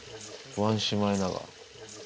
ワンシマエナガ。